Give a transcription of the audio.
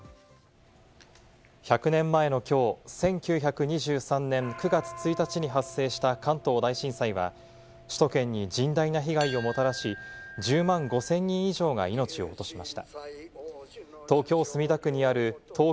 １００年前のきょう、１９２３年９月１日に発生した関東大震災は、首都圏に甚大な被害をもたらし、１０万５０００人以上が命を落としました。